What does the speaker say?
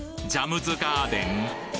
ジャムズガーデン？